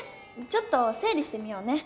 ちょっとせい理してみようね。